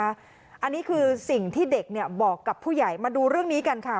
อันนี้คือสิ่งที่เด็กบอกกับผู้ใหญ่มาดูเรื่องนี้กันค่ะ